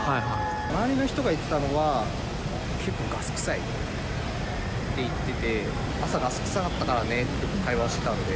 周りの人が言ってたのは、結構、ガス臭いって言ってて、朝ガス臭かったからねって、会話してたんで。